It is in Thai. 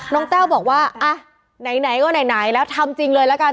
แต้วบอกว่าอ่ะไหนก็ไหนแล้วทำจริงเลยละกัน